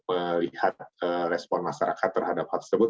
melihat respon masyarakat terhadap hal tersebut